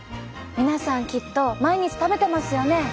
皆さんきっと毎日食べてますよね。